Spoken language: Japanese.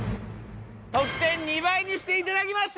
得点２倍にしていただきました